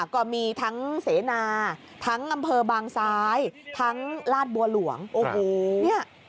ก็มีทั้งเสนาทั้งอำเภอบางซ้ายทั้งลาดบัวหลวงโอ้โหเนี่ย